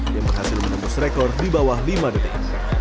yang berhasil menembus rekor di bawah lima detik